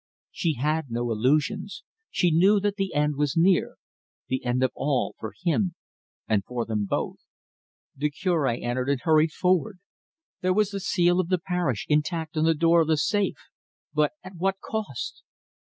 She had no illusions she knew that the end was near: the end of all for him and for them both. The Cure entered and hurried forward. There was the seal of the parish intact on the door of the safe, but at what cost!